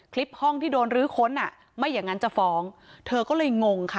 คลิปห้องที่โดนรื้อค้นอ่ะไม่อย่างนั้นจะฟ้องเธอก็เลยงงค่ะ